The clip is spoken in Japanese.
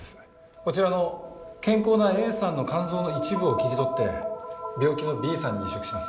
こちらの健康なＡさんの肝臓の一部を切り取って病気のＢさんに移植します。